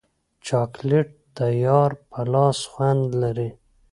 چاکلېټ د یار په لاس خوند لري.